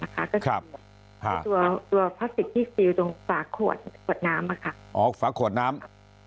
ก็คือตัวพลาสติกที่ฟลีลว์ตรงฝ่าขวดน้ำ